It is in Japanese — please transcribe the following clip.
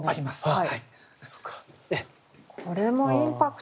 はい。